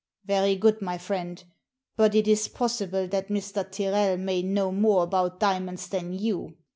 "Very good, my friend. But it is possible that Mr. Tyrrel may know more about diamonds than you.